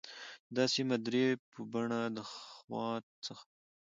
دا سیمه د درې په بڼه د خوات څخه